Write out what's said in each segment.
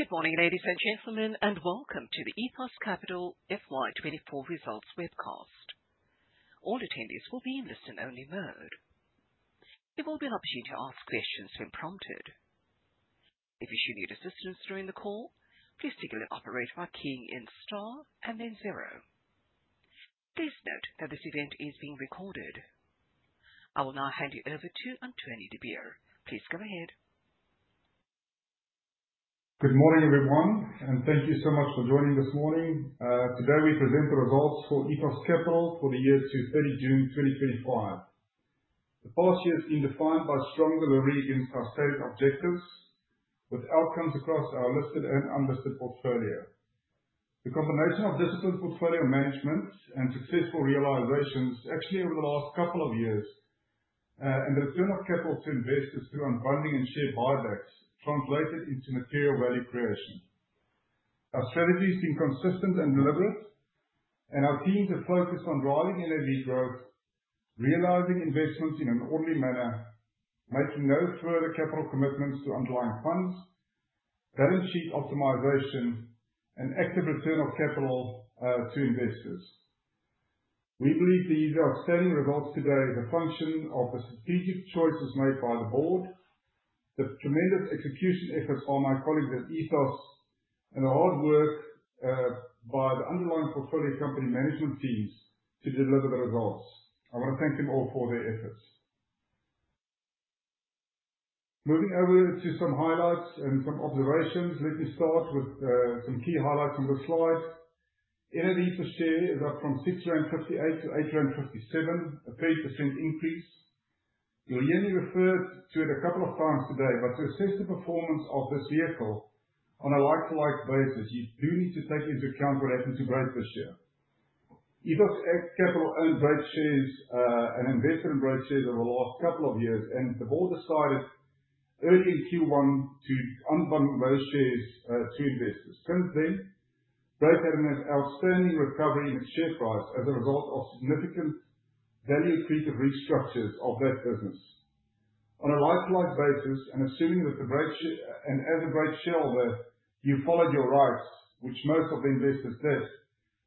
Good morning, ladies and gentlemen, and welcome to the Ethos Capital FY 2025 results webcast. All attendees will be in listen-only mode. There will be an opportunity to ask questions when prompted. If you should need assistance during the call, please signal an operator by keying in star and then zero. Please note that this event is being recorded. I will now hand you over to Anthonie de Beer. Please go ahead. Good morning, everyone. Thank you so much for joining this morning. Today we present the results for Ethos Capital for the year to 30 June 2025. The past year has been defined by strong delivery against our stated objectives with outcomes across our listed and unlisted portfolio. The combination of disciplined portfolio management and successful realizations, actually over the last couple of years, and the return of capital to investors through unbundling and share buybacks translated into material value creation. Our strategy has been consistent and deliberate. Our team is focused on driving NAV growth, realizing investments in an orderly manner, making no further capital commitments to underlying funds, balance sheet optimization, and active return of capital to investors. We believe these outstanding results today are the function of the strategic choices made by the board, the tremendous execution efforts by my colleagues at Ethos, and the hard work by the underlying portfolio company management teams to deliver the results. I want to thank them all for their efforts. Moving over to some highlights and some observations. Let me start with some key highlights on this slide. NAV per share is up from 6.58 to 8.57, a 30% increase. You will hear me refer to it a couple of times today, but to assess the performance of this vehicle on a like-to-like basis, you do need to take into account what happened to Brait this year. Ethos Capital owned Brait shares, an investment in Brait shares over the last couple of years. The board decided early in Q1 to unbundle those shares to investors. Since then, Brait had an outstanding recovery in its share price as a result of significant value creative restructures of that business. On a like-to-like basis, assuming that as a Brait shareholder, you followed your Brait rights, which most of the investors did,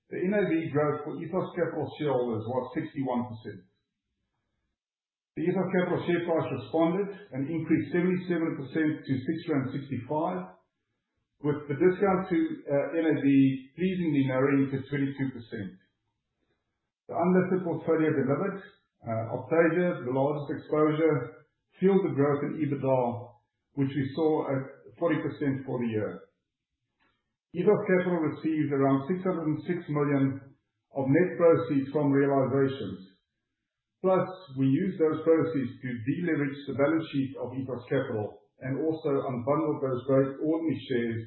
the NAV growth for Ethos Capital shareholders was 61%. The Ethos Capital share price responded and increased 77% to 6.65, with the discount to NAV pleasingly narrowing to 22%. The unlisted portfolio delivered. Optasia, the largest exposure, fueled the growth in EBITDA, which we saw at 40% for the year. Ethos Capital received around 606 million of net proceeds from realizations. We used those proceeds to deleverage the balance sheet of Ethos Capital and also unbundle those Brait ordinary shares,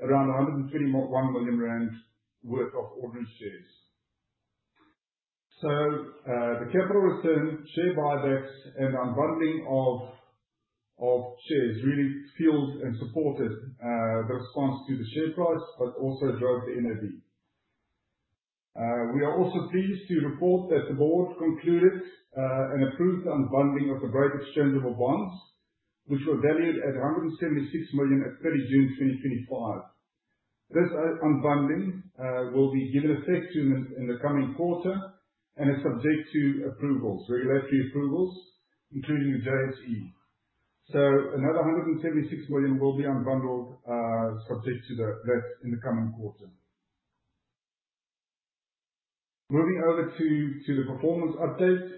around 121 million rand worth of ordinary shares. The capital return, share buybacks, and unbundling of shares really fueled and supported the response to the share price, but also drove the NAV. We are also pleased to report that the board concluded an approved unbundling of the Brait exchangeable bonds, which were valued at 176 million at 30 June 2025. This unbundling will be given effect in the coming quarter and is subject to approvals, regulatory approvals, including the JSE. Another 176 million will be unbundled, subject to that in the coming quarter. Moving over to the performance update.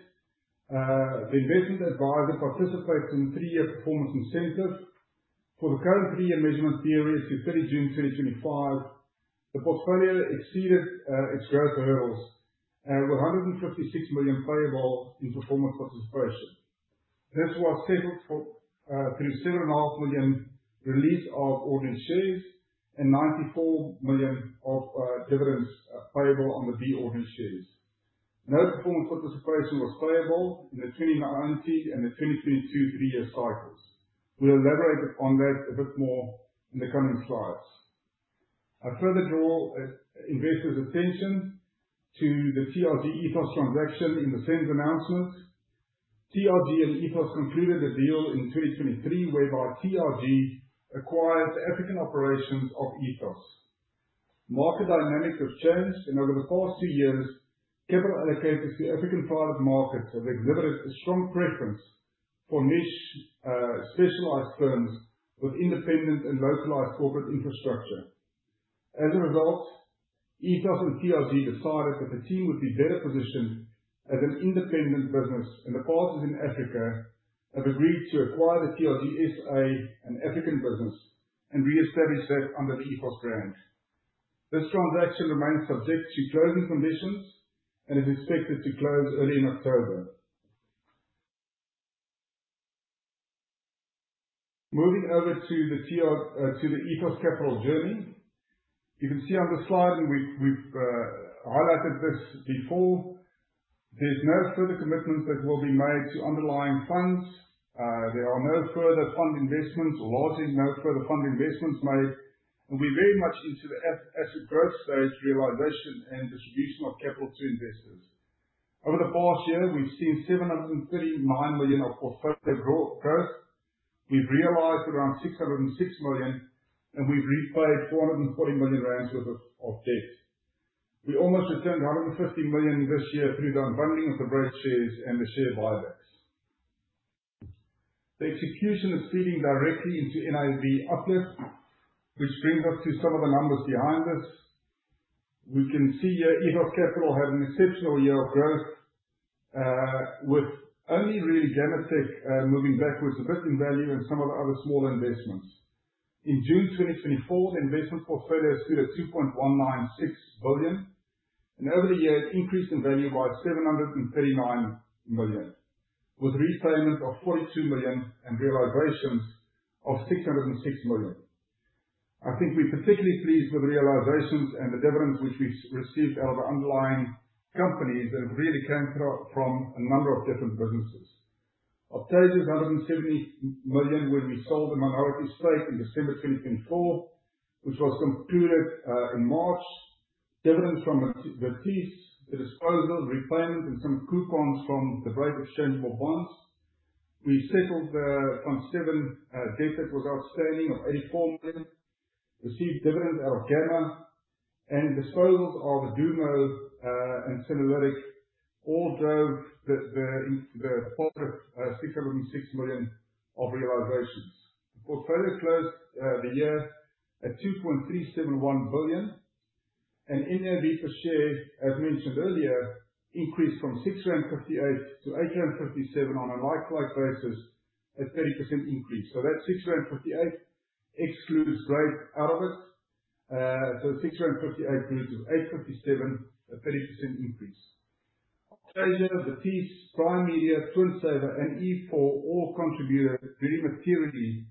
The investment advisor participates in three-year performance incentive. For the current three-year measurement period to 30 June 2025, the portfolio exceeded its growth hurdles with 156 million payable in performance participation. This was settled through seven and a half million release of ordinary shares and 94 million of dividends payable on the B ordinary shares. No performance participation was payable in the 2019 and the 2022 three-year cycles. We'll elaborate on that a bit more in the coming slides. I further draw investors' attention to the TRG Ethos transaction in the same announcement. TRG and Ethos concluded a deal in 2023 whereby TRG acquired the African operations of Ethos. Market dynamics have changed, and over the past two years, capital allocators to the African private markets have exhibited a strong preference for niche specialized firms with independent and localized corporate infrastructure. As a result, Ethos and TRG decided that the team would be better positioned as an independent business, and the parties in Africa have agreed to acquire the TRG SA and African business and reestablish that under the Ethos brand. This transaction remains subject to closing conditions and is expected to close early in October. Moving over to the Ethos Capital journey. You can see on the slide, and we've highlighted this before, there's no further commitments that will be made to underlying funds. There are no further fund investments. Law says no further fund investments made. We're very much into the asset growth stage, realization, and distribution of capital to investors. Over the past year, we've seen 739 million of portfolio growth. We've realized around 606 million, and we've repaid 440 million rand worth of debt. We almost returned 150 million this year through the unbundling of the Brait shares and the share buybacks. The execution is feeding directly into NAV uplift, which brings us to some of the numbers behind this. We can see here, Ethos Capital had an exceptional year of growth, with only really Gammatek moving backwards a bit in value and some of the other smaller investments. In June 2024, the investment portfolio stood at 2.196 billion, and over the year it increased in value by 739 million, with repayment of 42 million and realizations of 606 million. I think we're particularly pleased with the realizations and the dividends which we've received out of underlying companies that have really came from a number of different businesses. Optasia's 170 million when we sold the minority stake in December 2024, which was concluded in March. Dividends from Vertice, the disposals, repayments and some coupons from the Brait Exchangeable Bonds. We settled the Fund VII, debt that was outstanding of 84 million, received dividends out of Gammatek, and disposals of Dumo, and Synerlytic all drove the 606 million of realizations. The portfolio closed the year at 2.371 billion and NAV per share, as mentioned earlier, increased from 6.58 rand to 8.57 rand on a like-for-like basis, a 30% increase. That 658 rand excludes Brait out of it. 658 rand moves to 857, a 30% increase. Optasia, Vertice, Primedia, Twinsaver and e4 all contributed very materially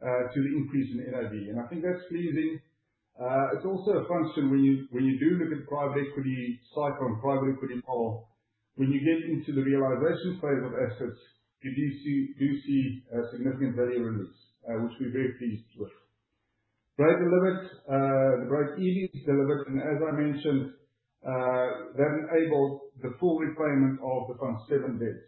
to the increase in NAV. I think that's pleasing. It's also a function when you do look at private equity cycle and private equity call, when you get into the realization phase of assets, you do see a significant value release, which we're very pleased with. Brait delivered, the Brait EB is delivered, As I mentioned, that enabled the full repayment of the Fund VII debt.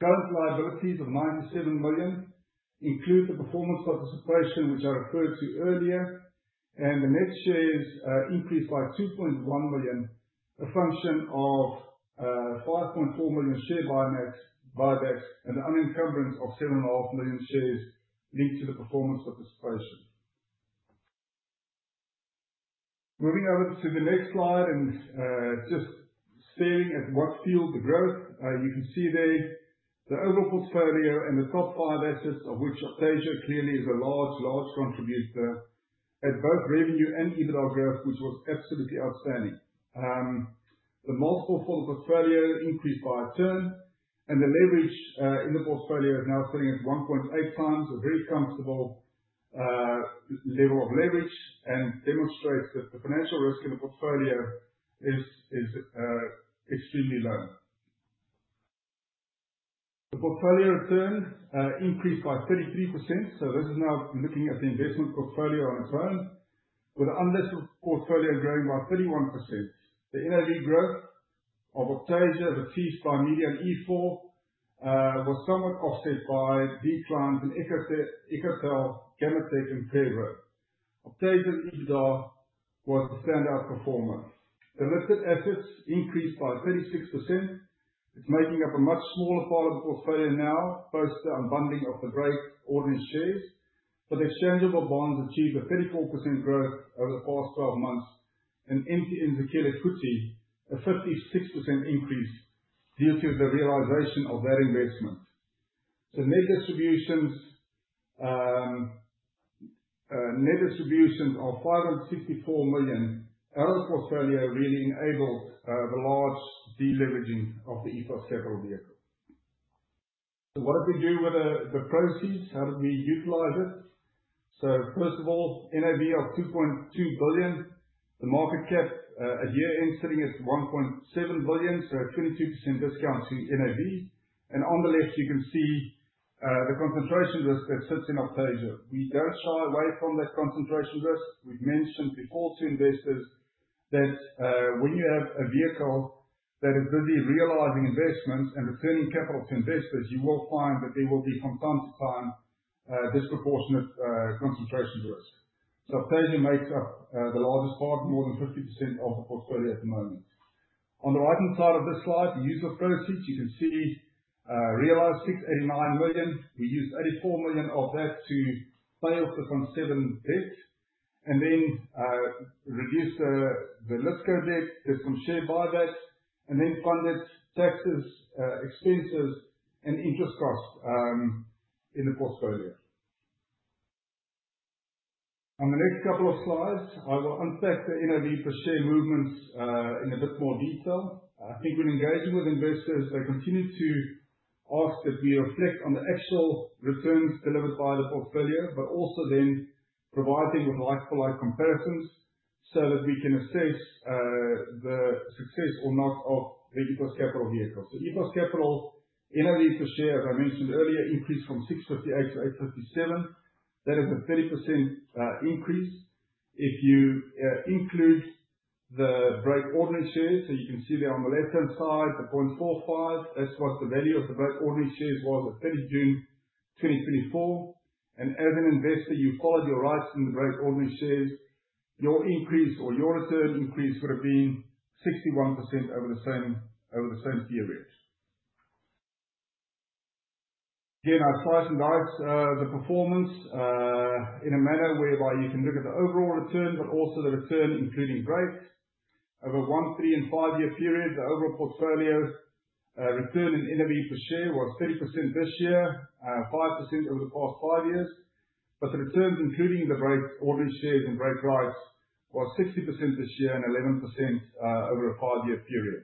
Current liabilities of 97 million include the performance participation, which I referred to earlier, and the net shares increased by 2.1 million, a function of 5.4 million share buybacks and the unencumbrance of 7.5 million shares linked to the performance participation. Moving over to the next slide and just staring at what fueled the growth. You can see there the overall portfolio and the top five assets, of which Optasia clearly is a large contributor, had both revenue and EBITDA growth, which was absolutely outstanding. The multiple for the portfolio increased by a turn and the leverage in the portfolio is now sitting at 1.8x, a very comfortable level of leverage and demonstrates that the financial risk in the portfolio is extremely low. The portfolio returns increased by 33%. This is now looking at the investment portfolio on its own. With the unlisted portfolio growing by 31%. The NAV growth of Optasia, Vertice, Primedia and e4, was somewhat offset by declines in Ecotel, Gammatek and Fairwork. Optasia's EBITDA was the standout performer. The listed assets increased by 36%. It's making up a much smaller part of the portfolio now, post the unbundling of the Brait ordinary shares. Exchangeable bonds achieved a 34% growth over the past 12 months and MTN Zakhele Futhi, a 56% increase due to the realization of that investment. Net distributions of 564 million out of the portfolio really enabled the large deleveraging of the Ethos Capital vehicle. What did we do with the proceeds? How did we utilize it? First of all, NAV of 2.2 billion. The market cap at year-end sitting at 1.7 billion. At 22% discount to NAV. On the left you can see the concentration risk that sits in Optasia. We don't shy away from that concentration risk. We've mentioned before to investors that when you have a vehicle that is really realizing investments and returning capital to investors, you will find that there will be from time to time disproportionate concentration risk. Optasia makes up the largest part, more than 50% of the portfolio at the moment. On the right-hand side of this slide, use of proceeds. You can see, realized 689 million. We used 84 million of that to pay off the Fund VII debt and then reduced the Listco debt, did some share buybacks, and then funded taxes, expenses, and interest costs in the portfolio. On the next couple of slides, I will unpack the NAV per share movements in a bit more detail. I think when engaging with investors, they continue to ask that we reflect on the actual returns delivered by the portfolio, but also then As an investor, you followed your rights in the Brait ordinary shares, your increase or your return increase would have been 61% over the same period. Again, I've sliced and diced the performance, in a manner whereby you can look at the overall return, but also the return including Brait. Over 1, 3, and 5-year periods, the overall portfolio return in NAV per share was 30% this year, 5% over the past 5 years. The returns, including the Brait ordinary shares and Brait rights, was 60% this year and 11% over a 5-year period.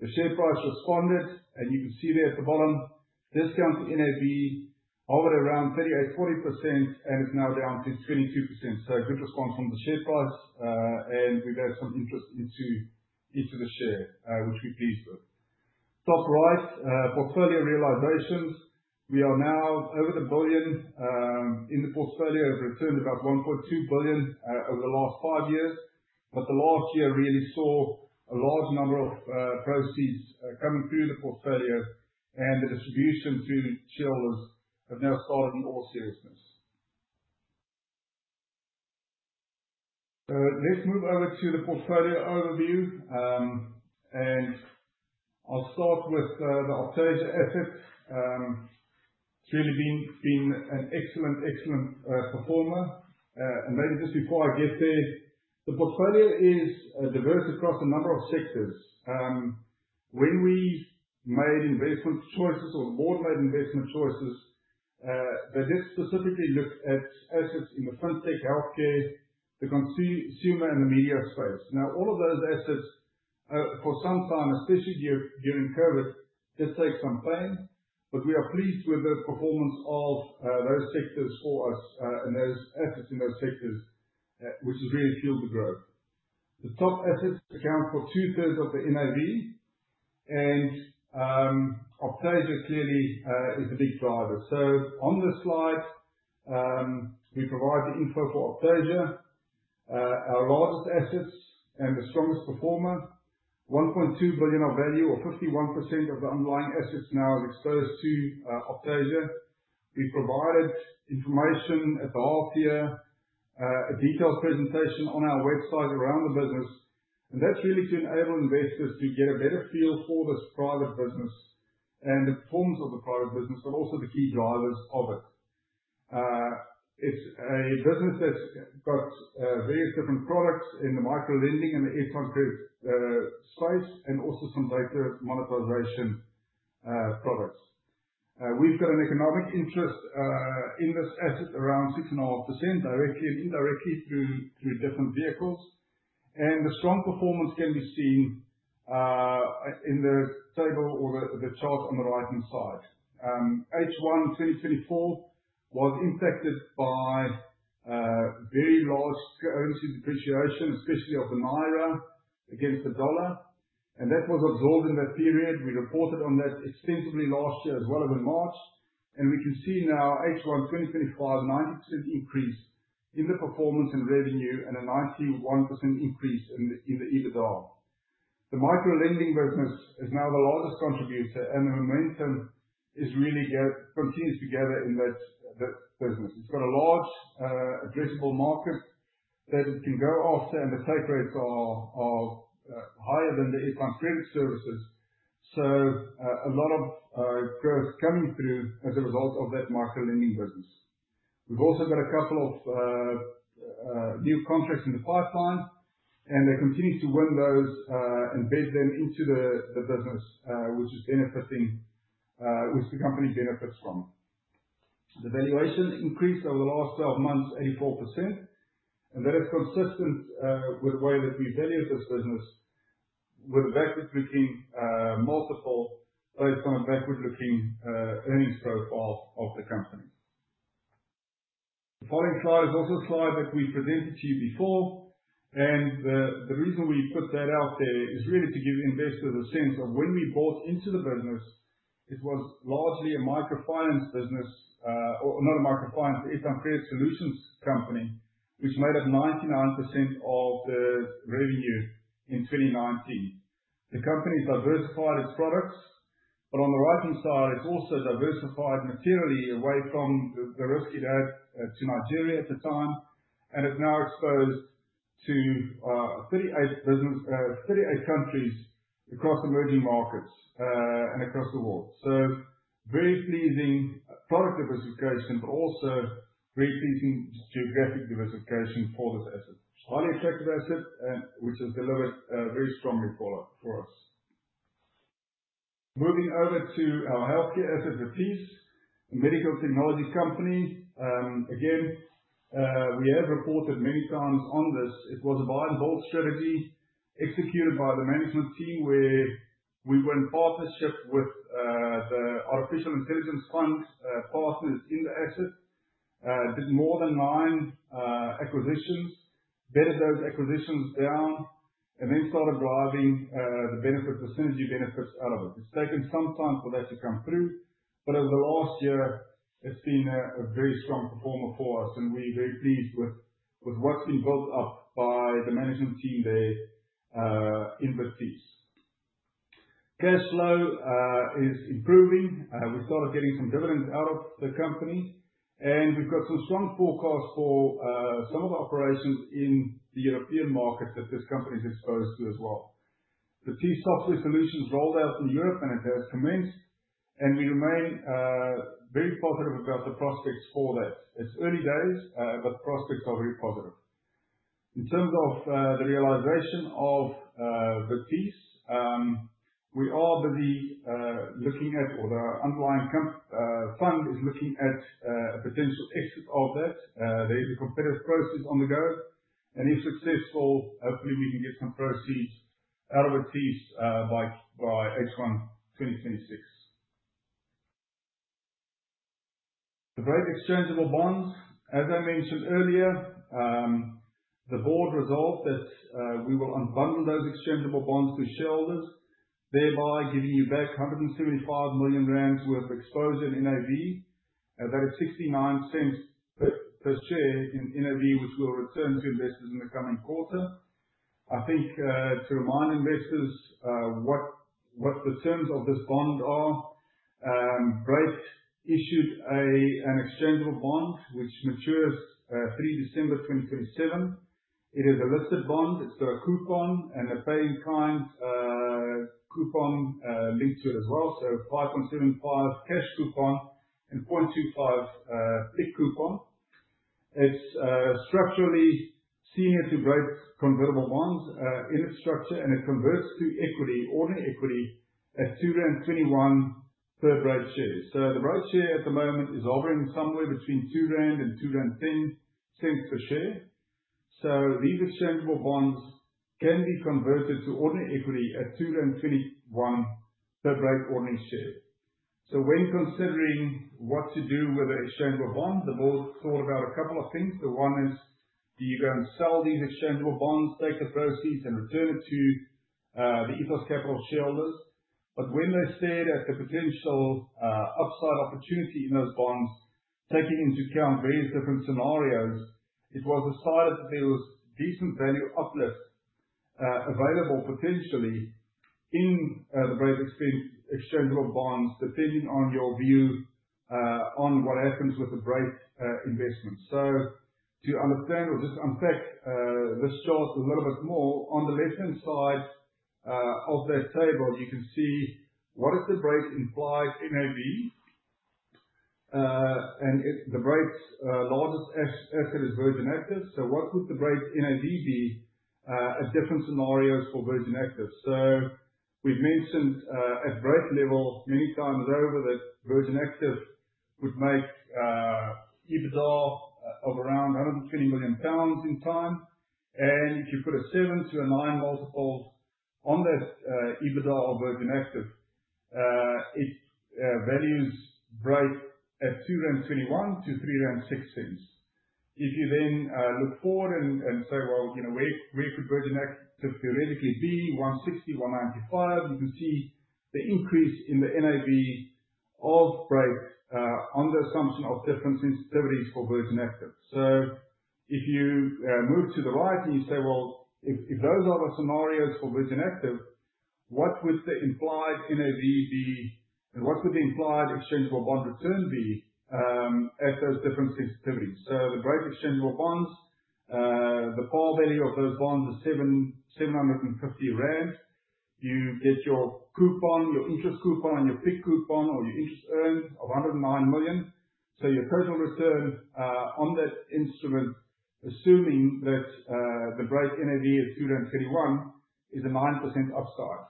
The share price responded, you can see there at the bottom, discount to NAV, hovering around 38%, 40%, and is now down to 22%. A good response from the share price. We've had some interest into the share, which we're pleased with. Top right, portfolio realizations. We are now over 1 billion in the portfolio, have returned about 1.2 billion over the last 5 years. The last year really saw a large number of proceeds coming through the portfolio and the distribution to shareholders have now started in all seriousness. Let's move over to the portfolio overview. I'll start with the Optasia asset. It's really been an excellent performer. Maybe just before I get there, the portfolio is diverse across a number of sectors. When we made investment choices or the board made investment choices, they did specifically look at assets in the fintech, healthcare, the consumer, and the media space. All of those assets, for some time, especially during COVID, did take some pain, but we are pleased with the performance of those sectors for us and those assets in those sectors, which has really fueled the growth. The top assets account for two-thirds of the NAV, and Optasia clearly is the lead driver. On this slide, we provide the info for Optasia, our largest asset and the strongest performer, 1.2 billion of value or 51% of the underlying assets now is exposed to Optasia. We provided information at the half year, a detailed presentation on our website around the business. That's really to enable investors to get a better feel for this private business and the performance of the private business, but also the key drivers of it. It's a business that's got various different products in the microlending and the e-commerce credit space and also some data monetization products. We've got an economic interest in this asset around 6.5% directly and indirectly through different vehicles. The strong performance can be seen in the table or the chart on the right-hand side. H1 2024 was impacted by very large currency depreciation, especially of the Naira against the USD. That was absorbed in that period. We reported on that extensively last year as well as in March. We can see now H1 2025, 90% increase in the performance and revenue and a 91% increase in the EBITDA. The micro lending business is now the largest contributor and the momentum continues to gather in that business. It's got a large addressable market that it can go after and the take rates are higher than the e-commerce credit services. A lot of growth coming through as a result of that micro lending business. We've also got a couple of new contracts in the pipeline, and they continue to win those, embed them into the business, which the company benefits from. The valuation increase over the last 12 months, 84%. That is consistent with the way that we value this business with a backward-looking multiple based on a backward-looking earnings profile of the company. The following slide is also a slide that we presented to you before, and the reason we put that out there is really to give investors a sense of when we bought into the business. It was largely a microfinance business, or not a microfinance, e-commerce credit solutions company, which made up 99% of the revenue in 2019. The company diversified its products, but on the right-hand side, it's also diversified materially away from the risk it had to Nigeria at the time, and it's now exposed to 38 countries across emerging markets and across the world. Very pleasing product diversification, but also very pleasing geographic diversification for this asset. Highly attractive asset, which has delivered very strongly for us. Moving over to our healthcare asset, Vertice, a medical technology company. Again, we have reported many times on this. It was a buy and build strategy executed by the management team where we were in partnership with the artificial intelligence fund partners in the asset. Did more than nine acquisitions, bedded those acquisitions down. Then started driving the synergy benefits out of it. It's taken some time for that to come through, but over the last year it's been a very strong performer for us and we're very pleased with what's been built up by the management team there in Vertice. Cash flow is improving. We've started getting some dividends out of the company, and we've got some strong forecasts for some of the operations in the European market that this company is exposed to as well. The T-software solution's rolled out in Europe, and it has commenced, and we remain very positive about the prospects for that. It's early days, but prospects are very positive. In terms of the realization of Vertice, we are busy looking at-- or the underlying fund is looking at a potential exit of that. There is a competitive process on the go, and if successful, hopefully we can get some proceeds out of Vertice by H1 2026. The Brait exchangeable bonds, as I mentioned earlier, the board resolved that we will unbundle those exchangeable bonds to shareholders, thereby giving you back 175 million rand worth of exposure in NAV. That is 0.69 per share in NAV, which will return to investors in the coming quarter. I think to remind investors what the terms of this bond are, Brait issued an exchangeable bond, which matures 3 December 2027. It is a listed bond. It's got a coupon and a pay-in-kind coupon linked to it as well. 5.75% cash coupon and 0.25% PIK coupon. It's structurally senior to Brait's convertible bonds in its structure and it converts to equity, ordinary equity, at 2.21 per Brait share. The Brait share at the moment is hovering somewhere between 2 rand and 2.10 rand per share. These exchangeable bonds can be converted to ordinary equity at 2.21 per Brait ordinary share. When considering what to do with the exchangeable bond, the board thought about a couple of things. One is, do you go and sell these exchangeable bonds, take the proceeds, and return it to the Ethos Capital shareholders? When they stared at the potential upside opportunity in those bonds, taking into account various different scenarios, it was decided that there was decent value uplift available potentially in the Brait exchangeable bonds, depending on your view on what happens with the Brait investment. To understand or just unpack this chart a little bit more, on the left-hand side of that table, you can see what is the Brait's implied NAV. If the Brait's largest asset is Virgin Active, what would the Brait's NAV be at different scenarios for Virgin Active? We've mentioned, at Brait level many times over, that Virgin Active would make EBITDA of around 120 million pounds in time. If you put a 7 to a 9 multiple on that EBITDA of Virgin Active, it values Brait at 2.21 rand to 3.06 rand. If you look forward and say, "Well, where could Virgin Active theoretically be? 160, 195?" You can see the increase in the NAV of Brait on the assumption of different sensitivities for Virgin Active. If you move to the right and you say, well, if those are the scenarios for Virgin Active, what would the implied NAV be and what would the implied exchangeable bond return be at those different sensitivities? The Brait exchangeable bonds, the par value of those bonds is 750 rand. You get your coupon, your interest coupon, and your PIK coupon, or your interest earned of 109 million. Your personal return on that instrument, assuming that the Brait NAV is 2.31, is a 9% upside.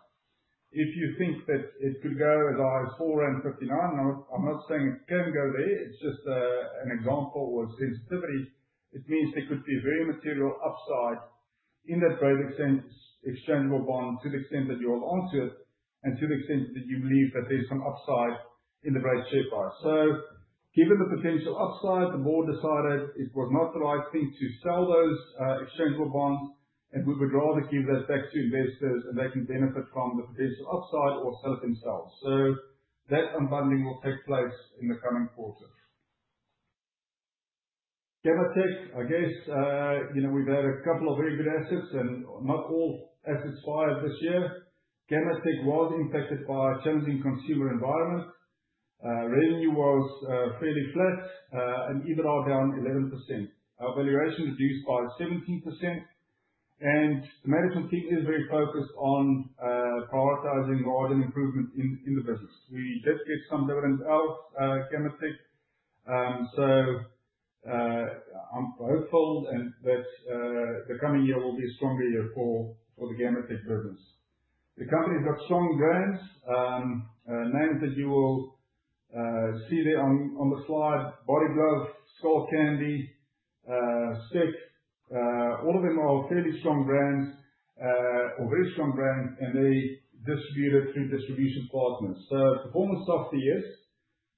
If you think that it could go as high as 4.59, I'm not saying it can go there, it's just an example or sensitivity. It means there could be a very material upside in that Brait exchangeable bond to the extent that you hold onto it and to the extent that you believe that there's some upside in the Brait share price. Given the potential upside, the board decided it was not the right thing to sell those exchangeable bonds, and we would rather give those back to investors, and they can benefit from the potential upside or sell it themselves. That unbundling will take place in the coming quarter. Gammatek, I guess, we've had a couple of very good assets and not all assets fired this year. Gammatek was impacted by a challenging consumer environment. Revenue was fairly flat and EBITDA down 11%. Our valuation reduced by 17%, and the management team is very focused on prioritizing margin improvement in the business. We did get some dividends out of Gammatek. I'm hopeful that the coming year will be a strong year for the Gammatek business. The company's got strong brands. Names that you will see there on the slide, Body Glove, Skullcandy, Stick. All of them are fairly strong brands, or very strong brands, and they distribute it through distribution partners. Performance of the year.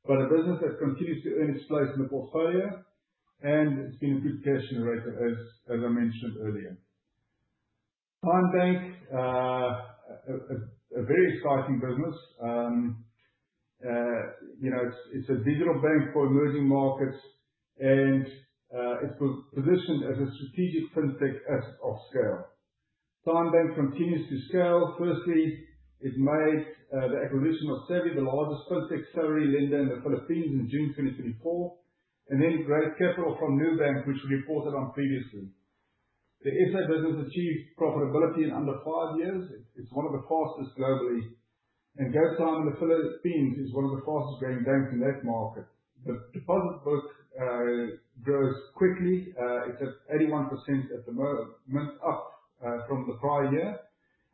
A business that continues to earn its place in the portfolio, and it's been a good cash generator as I mentioned earlier. TymeBank, a very exciting business. It's a digital bank for emerging markets, and it's positioned as a strategic fintech asset of scale. TymeBank continues to scale. Firstly, it made the acquisition of SAVii, the largest fintech salary lender in the Philippines in June 2024, and then raised capital from Nubank, which we reported on previously. The S.A. business achieved profitability in under five years. It's one of the fastest globally. GoTyme in the Philippines is one of the fastest-growing banks in that market. The deposit book grows quickly. It's at 81% at the moment, up from the prior year,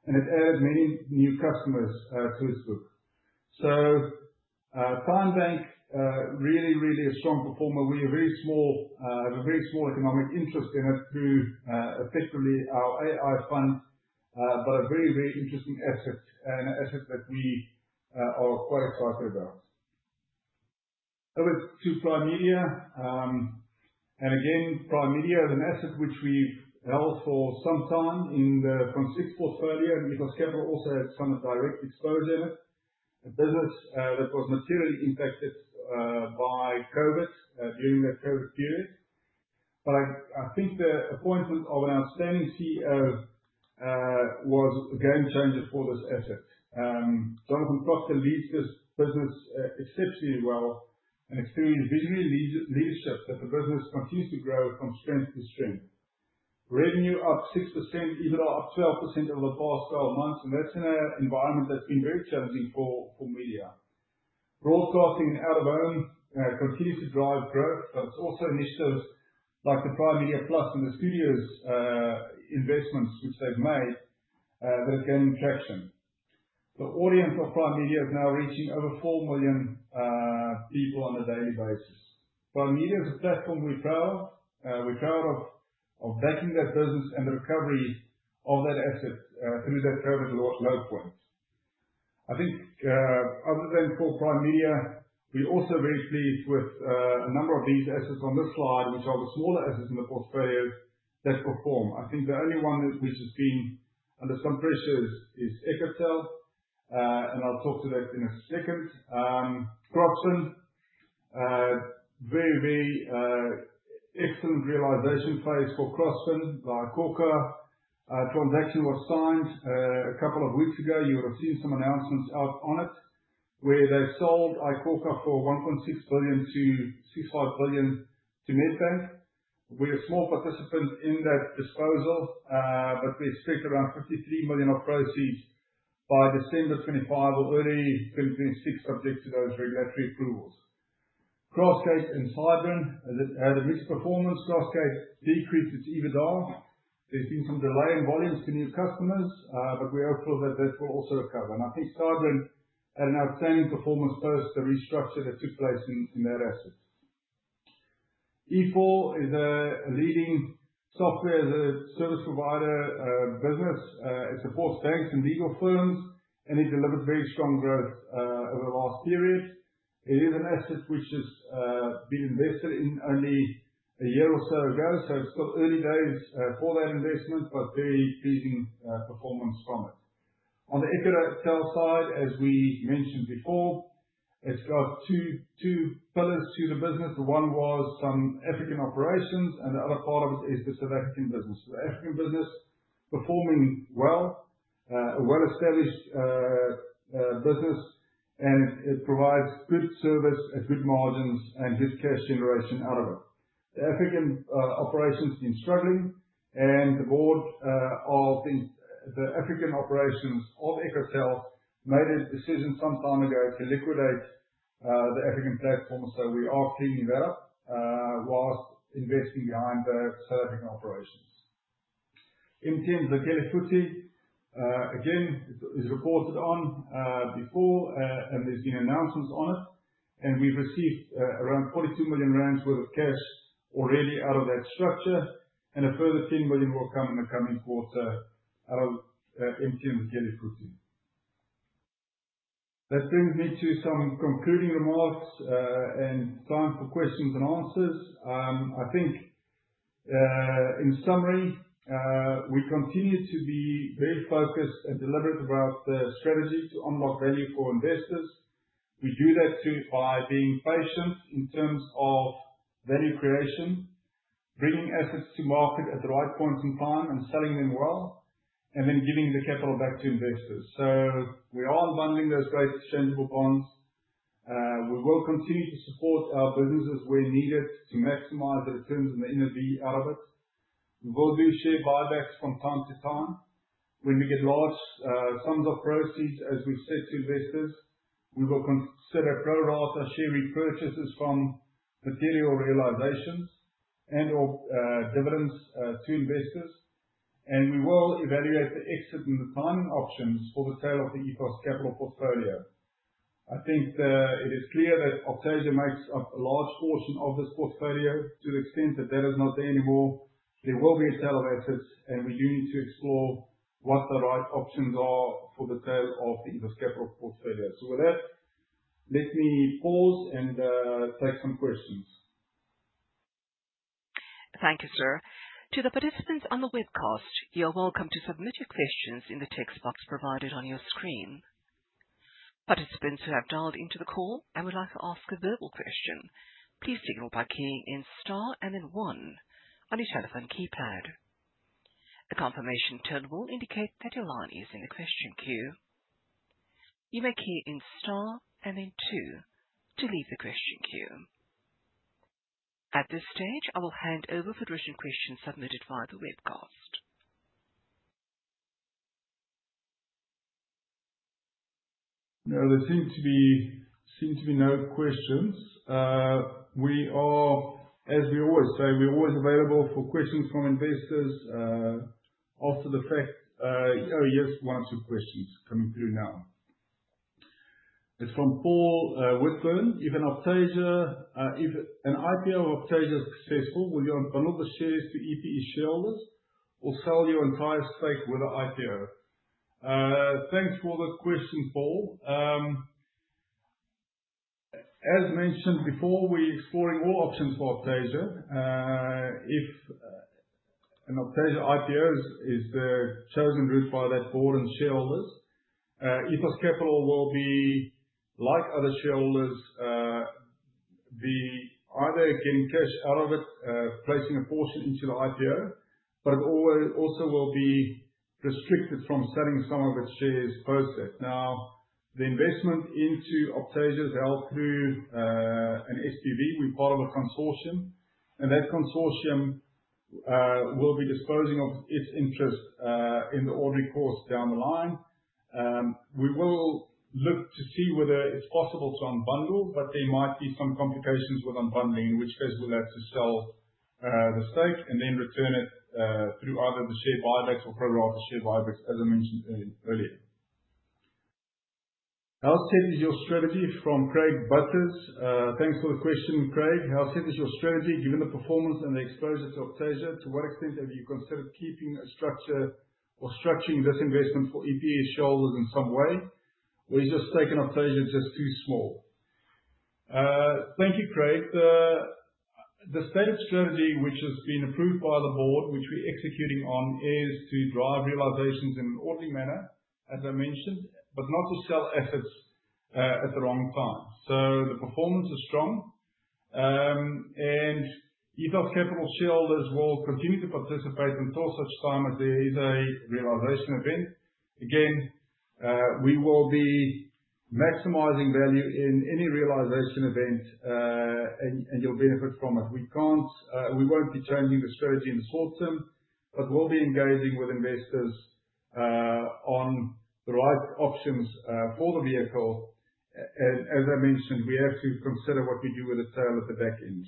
and it added many new customers to its book. TymeBank, really a strong performer. We have a very small economic interest in it through effectively our AI fund, but a very interesting asset and an asset that we are quite excited about. Over to Primedia. Again, Primedia is an asset which we've held for some time in the Consist portfolio, and Ethos Capital also had some direct exposure in it. A business that was materially impacted by COVID during that COVID period. I think the appointment of an outstanding CEO was a game changer for this asset. Jonathan Matthews leads this business exceptionally well and extremely visionary leadership that the business continues to grow from strength to strength. Revenue up 6%, EBITDA up 12% over the past 12 months, and that's in an environment that's been very challenging for media. Broadcasting and out of home continues to drive growth, but it's also initiatives like the Primedia Plus and the studios investments which they've made that are gaining traction. The audience of Primedia is now reaching over 4 million people on a daily basis. Primedia is a platform we're proud of. We're proud of backing that business and the recovery of that asset through that COVID low point. I think other than for Primedia, we're also very pleased with a number of these assets on this slide, which are the smaller assets in the portfolio that perform. I think the only one which has been under some pressure is Ecotel, and I'll talk to that in a second. Crossfin. Very excellent realization phase for Crossfin by iKhokha. A transaction was signed a couple of weeks ago. You would have seen some announcements out on it, where they sold iKhokha for 1.6 billion to 5 billion to Nedbank. We're a small participant in that disposal, but we expect around 53 million of proceeds by December 2025 or early 2026, subject to those regulatory approvals. Crossgate and Sybrin had a mixed performance. Crossgate decreased its EBITDA. There's been some delay in volumes to new customers, but we are hopeful that that will also recover. I think Sybrin had an outstanding performance post the restructure that took place in that asset. e4 is a leading software as a service provider business. It supports banks and legal firms. It delivered very strong growth over the last period. It is an asset which has been invested in only a year or so ago. It's still early days for that investment. Very pleasing performance from it. On the Ecotel side, as we mentioned before, it's got two pillars to the business. One was some African operations. The other part of it is the South African business. The African business is performing well. It is a well-established business. It provides good service at good margins and good cash generation out of it. The African operation's been struggling. The board of the African operations of Ecotel made a decision some time ago to liquidate the African platform. We are cleaning that up whilst investing behind the South African operations. MTN Zakhele Futhi, again, is reported on before. There's been announcements on it. We've received around 42 million rand worth of cash already out of that structure. A further 10 million will come in the coming quarter out of MTN Zakhele Futhi. That brings me to some concluding remarks. Time for questions and answers. In summary, we continue to be very focused and deliberate about the strategy to unlock value for investors. We do that too by being patient in terms of value creation, bringing assets to market at the right points in time and selling them well. Giving the capital back to investors. We are unbundling those Brait exchangeable bonds. We will continue to support our businesses where needed to maximize the returns and the NAV out of it. We will do share buybacks from time to time. When we get large sums of proceeds, as we've said to investors, we will consider pro rata share repurchases from material realizations and/or dividends to investors. We will evaluate the exit and the timing options for the sale of the Ethos Capital portfolio. It is clear that Optasia makes up a large portion of this portfolio. To the extent that that is not there anymore, there will be a sale of assets. We do need to explore what the right options are for the sale of the Ethos Capital portfolio. With that, let me pause and take some questions. Thank you, sir. To the participants on the webcast, you are welcome to submit your questions in the text box provided on your screen. Participants who have dialed into the call and would like to ask a verbal question, please signal by keying in star and then one on your telephone keypad. The confirmation tone will indicate that your line is in the question queue. You may key in star and then two to leave the question queue. At this stage, I will hand over for written questions submitted via the webcast. There seem to be no questions. We are, as we always say, we're always available for questions from investors after the fact. One or two questions coming through now. It's from Paul Whitburn. "If an IPO of Optasia is successful, will you unbundle the shares to EPE shareholders or sell your entire stake with the IPO?" Thanks for the question, Paul. As mentioned before, we're exploring all options for Optasia. If an Optasia IPO is the chosen route by that board and shareholders, Ethos Capital will, like other shareholders, be either getting cash out of it, placing a portion into the IPO, but it also will be restricted from selling some of its shares post it. The investment into Optasia is held through an SPV. We're part of a consortium, and that consortium will be disposing of its interest in the ordinary course down the line. We will look to see whether it's possible to unbundle, but there might be some complications with unbundling, in which case we'll have to sell the stake and then return it through either the share buybacks or progress the share buybacks, as I mentioned earlier. "How set is your strategy?" from Craig Butters. Thanks for the question, Craig. "How set is your strategy, given the performance and the exposure to Optasia? To what extent have you considered keeping a structure or structuring this investment for EPE shareholders in some way? Is your stake in Optasia just too small?" Thank you, Craig. The stated strategy, which has been approved by the board, which we're executing on, is to drive realizations in an orderly manner, as I mentioned, but not to sell assets at the wrong time. The performance is strong. Ethos Capital shareholders will continue to participate until such time as there is a realization event. Again, we will be maximizing value in any realization event, and you'll benefit from it. We won't be changing the strategy in the short term, but we'll be engaging with investors on the right options for the vehicle. As I mentioned, we have to consider what we do with the tail at the back end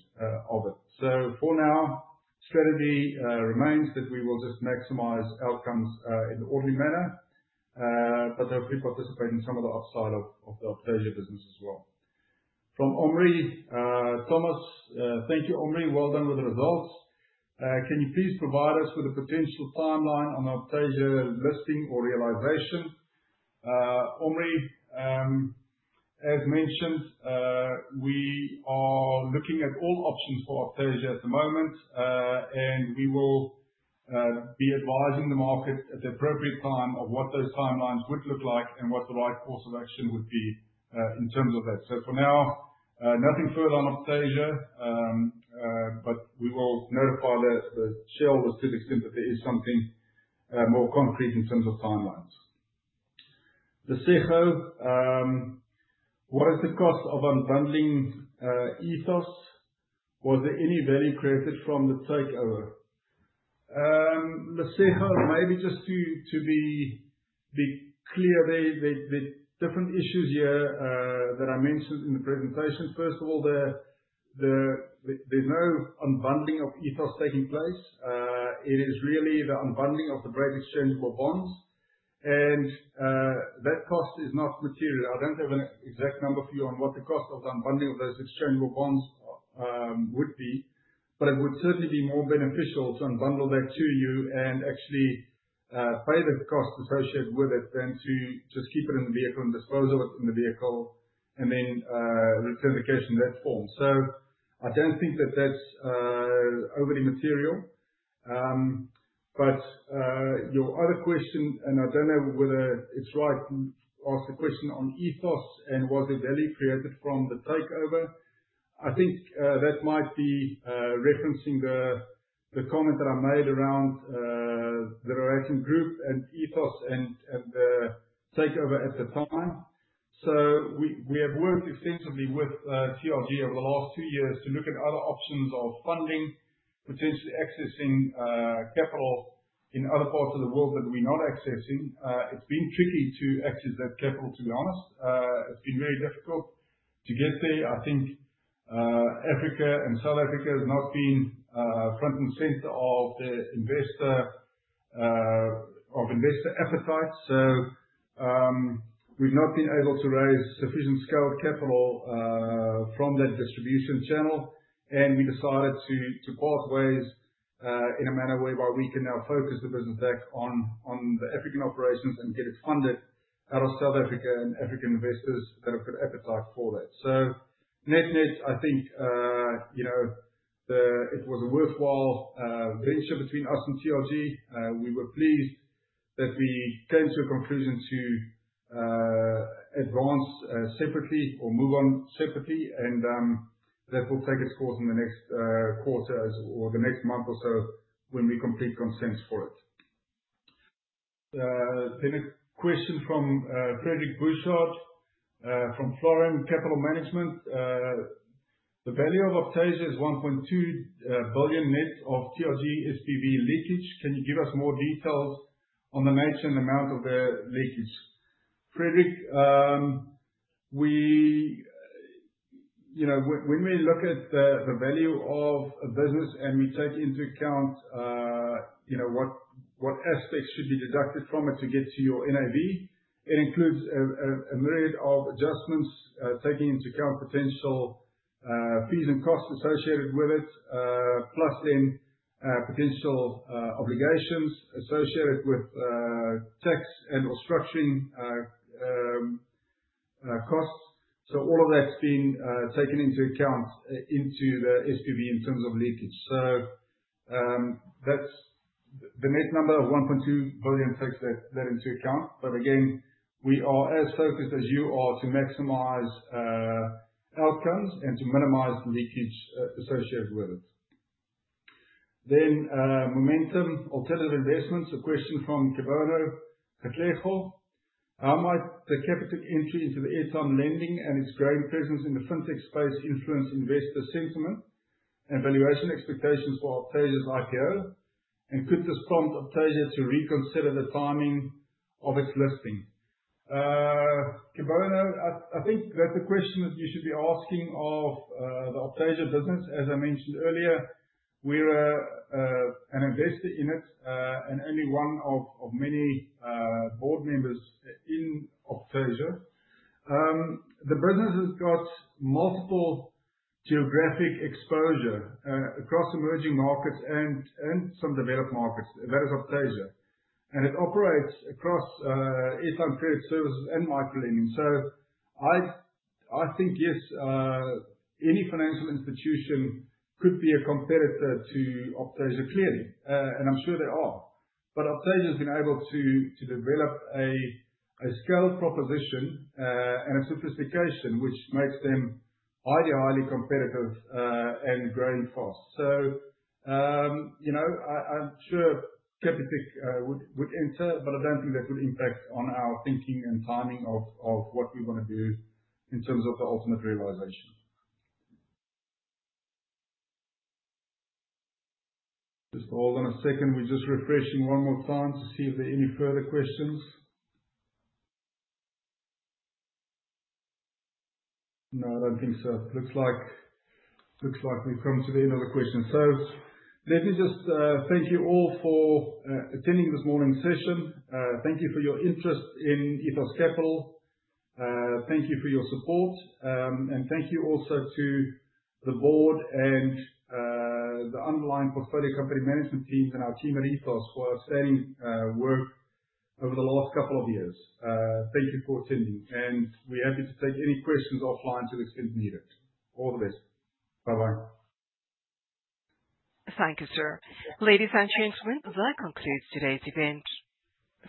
of it. For now, strategy remains that we will just maximize outcomes in an orderly manner, but there'll be participation in some of the upside of the Optasia business as well. From Omri Thomas. Thank you, Omri. "Well done with the results. Can you please provide us with a potential timeline on Optasia listing or realization?" Omri, as mentioned, we are looking at all options for Optasia at the moment, and we will be advising the market at the appropriate time of what those timelines would look like and what the right course of action would be in terms of that. For now, nothing further on Optasia, but we will notify the shareholders to the extent that there is something more concrete in terms of timelines. Leseho. "What is the cost of unbundling Ethos? Was there any value created from the takeover?" Leseho, maybe just to be clear, there's different issues here that I mentioned in the presentation. First of all, there's no unbundling of Ethos taking place. It is really the unbundling of the Brait exchangeable bonds, and that cost is not material. I don't have an exact number for you on what the cost of the unbundling of those exchangeable bonds would be, but it would certainly be more beneficial to unbundle that to you and actually pay the cost associated with it than to just keep it in the vehicle and dispose of it from the vehicle, and then return the cash in that form. I don't think that that's overly material. Your other question, and I don't know whether it's right to ask the question on Ethos and was there value created from the takeover. I think that might be referencing the comment that I made around The Relations Group and Ethos and the takeover at the time. We have worked extensively with TRG over the last two years to look at other options of funding, potentially accessing capital in other parts of the world that we're not accessing. It's been tricky to access that capital, to be honest. It's been very difficult to get there. I think Africa and South Africa has not been front and center of investor appetite. We've not been able to raise sufficient scaled capital from that distribution channel, and we decided to part ways in a manner whereby we can now focus the business back on the African operations and get it funded out of South Africa and African investors that have got appetite for that. Net-net, I think, it was a worthwhile venture between us and TRG. We were pleased that we came to a conclusion to advance separately or move on separately, and that will take its course in the next quarter or the next month or so when we complete consent for it. A question from Frederic Bouchard from Florin Capital Management. "The value of Optasia is 1.2 billion net of TRG SPV leakage. Can you give us more details on the nature and amount of the leakage?" Frederic, when we look at the value of a business and we take into account what aspects should be deducted from it to get to your NAV, it includes a myriad of adjustments, taking into account potential fees and costs associated with it, plus any potential obligations associated with tax and/or structuring costs. All of that's being taken into account into the SPV in terms of leakage. The net number of 1.2 billion takes that into account. Again, we are as focused as you are to maximize outcomes and to minimize leakage associated with it. Momentum Alternative Investments, a question from Kibono Leklejo, "How might the Capitec entry into the airtime lending and its growing presence in the fintech space influence investor sentiment and valuation expectations for Optasia's IPO? Could this prompt Optasia to reconsider the timing of its listing?" Kibono, I think that's a question that you should be asking of the Optasia business. As I mentioned earlier, we're an investor in it, and only one of many board members in Optasia. The business has got multiple geographic exposure across emerging markets and some developed markets. That is Optasia. It operates across airtime credit services and micro lending. I think, yes, any financial institution could be a competitor to Optasia, clearly. I'm sure there are. Optasia's been able to develop a scale proposition and a sophistication which makes them highly competitive and growing fast. I'm sure Capitec would enter, but I don't think that would impact on our thinking and timing of what we want to do in terms of the ultimate realization. Just hold on a second. We're just refreshing one more time to see if there are any further questions. No, I don't think so. Looks like we've come to the end of the questions. Let me just thank you all for attending this morning's session. Thank you for your interest in Ethos Capital. Thank you for your support. Thank you also to the board and the underlying portfolio company management teams and our team at Ethos for outstanding work over the last couple of years. Thank you for attending, and we're happy to take any questions offline to the extent needed. All the best. Bye-bye. Thank you, sir. Ladies and gentlemen, that concludes today's event.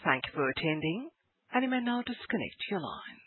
Thank you for attending, and you may now disconnect your line.